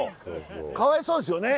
かわいそうですよね。